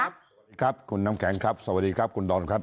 สวัสดีครับคุณน้ำแข็งครับสวัสดีครับคุณดอมครับ